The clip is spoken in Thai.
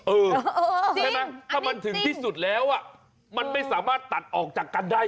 ใช่ไหมถ้ามันถึงที่สุดแล้วมันไม่สามารถตัดออกจากกันได้